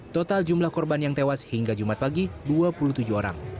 total jumlah korban yang tewas hingga jumat pagi dua puluh tujuh orang